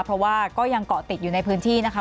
เพราะว่าก็ยังเกาะติดอยู่ในพื้นที่นะคะ